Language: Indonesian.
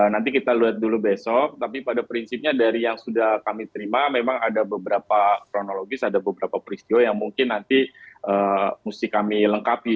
nanti kita lihat dulu besok tapi pada prinsipnya dari yang sudah kami terima memang ada beberapa kronologis ada beberapa peristiwa yang mungkin nanti mesti kami lengkapi